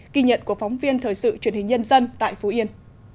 ghi nhận của phóng viên thời sự truyền hình nhân dân tại phú yên